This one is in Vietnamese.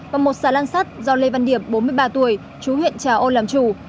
và một xà lan sắt do lê văn điệp bốn mươi ba tuổi chú huyện trà ôn làm chủ